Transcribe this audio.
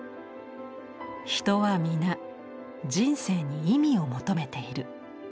「人はみな人生に意味を求めている。